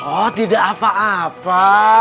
oh tidak apa apa